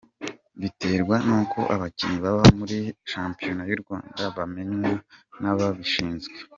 Biterwa nuko abakinnyi baba muri shampiyona y’u Rwanda bamenywa n’ababishinzwe.